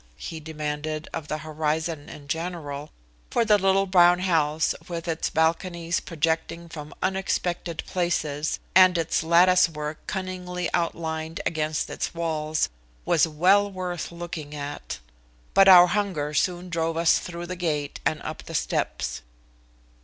he demanded of the horizon in general, for the little brown house with its balconies projecting from unexpected places and its lattice work cunningly outlined against its walls was well worth looking at. But our hunger soon drove us through the gate and up the steps.